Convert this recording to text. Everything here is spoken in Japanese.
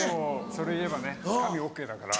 それ言えばねつかみＯＫだから。